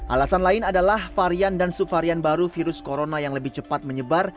alasan lain adalah varian dan subvarian baru virus corona yang lebih cepat menyebar